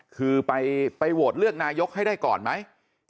คือไปโหวตเลือกนายกให้ได้ก่อนไหม